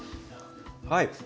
はい。